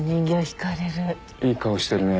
いい顔してるね。